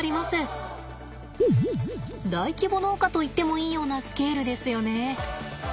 大規模農家と言ってもいいようなスケールですよね。